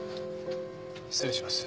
失礼します。